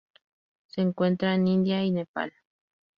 Se encuentra en India y Nepal.